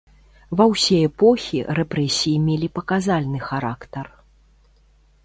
Ва ўсе эпохі рэпрэсіі мелі паказальны характар.